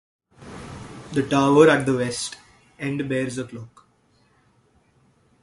The tower at the west end bears a clock.